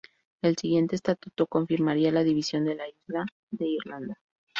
El siguiente estatuto confirmaría la división de la Isla de Irlanda.